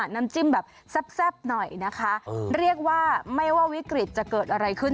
น้ำจิ้มแบบแซ่บหน่อยนะคะเรียกว่าไม่ว่าวิกฤตจะเกิดอะไรขึ้น